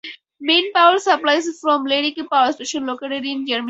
Main power supply is from Lerwick Power Station located in Gremista.